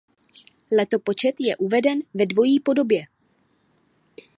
Letopočet je uveden ve dvojí podobě.